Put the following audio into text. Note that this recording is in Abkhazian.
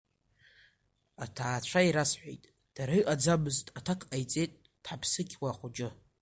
Аҭаацәа ирасҳәеит, дара ыҟаӡамызт, аҭак ҟаиҵеит дҳақьԥсықьуа ахәыҷы.